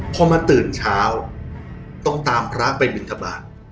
พอมาตื่นเช้าต้องตามพระไปบินทบาท